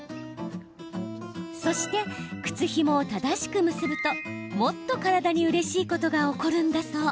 そして、靴ひもを正しく結ぶともっと体にうれしいことが起こるんだそう。